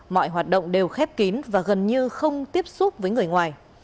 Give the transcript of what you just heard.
mọi hoạt động đều khép kín và gần như không tiếp xúc với người ngoài